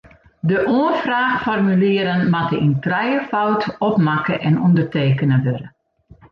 De oanfraachformulieren moatte yn trijefâld opmakke en ûndertekene wurde.